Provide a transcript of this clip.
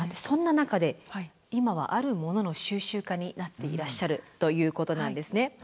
そんな中で今はあるものの収集家になっていらっしゃるということなんですね。